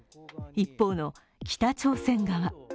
一方の北朝鮮側。